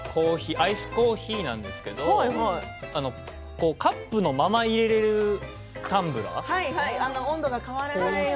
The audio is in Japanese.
アイスコーヒーなんですけれどカップのまま入れるタンブラーです。